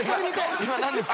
今の何ですか？